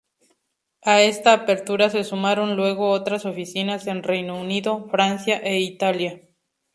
A esta apertura se sumaron luego otras oficinas en Reino Unido, Francia e Italia.